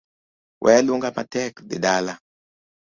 Waya luonga matek.dhi dala.